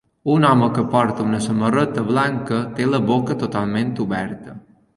Un home que porta una samarreta blanca té la boca totalment oberta.